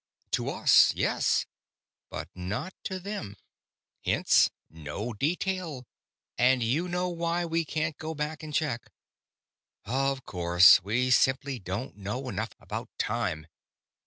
"_ "To us, yes; but not to them. Hence, no detail, and you know why we can't go back and check." _"Of course. We simply don't know enough about time